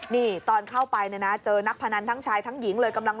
นี่ตอนเข้าไปเนี่ยนะเจอนักพนันทั้งชายทั้งหญิงเลยกำลัง